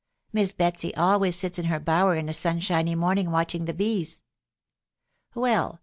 Miss Betsy always sits in her bower in a sunshiny morning watching the bees." " Well